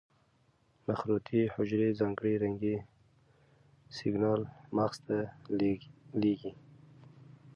مخروطې حجرې ځانګړي رنګي سېګنال مغز ته لېږي.